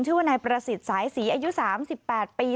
ชื่อว่านายประสิทธิ์สายศรีอายุ๓๘ปี